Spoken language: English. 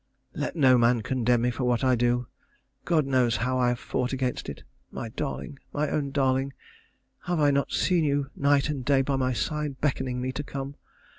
_ Let no man condemn me for what I do. God knows how I have fought against it. My darling! my own darling! have I not seen you night and day by my side beckoning me to come?